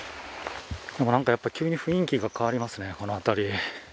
でもなんかやっぱり、急に雰囲気が変わりますね、この辺り。